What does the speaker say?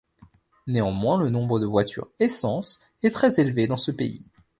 Néanmoins, le nombre de voiture essence est très élevé dans ce pays.